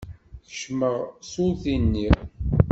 Keccmeɣ s urti-nni.